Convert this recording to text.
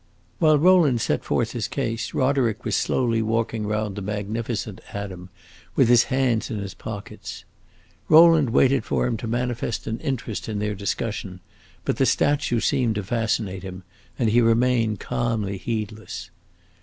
While Rowland set forth his case Roderick was slowly walking round the magnificent Adam, with his hands in his pockets. Rowland waited for him to manifest an interest in their discussion, but the statue seemed to fascinate him and he remained calmly heedless.